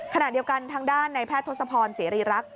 ขณะเดียวกันทางด้านในแพทย์ทศพรเสรีรักษ